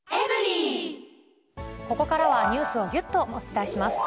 ここからはニュースをぎゅっとお伝えします。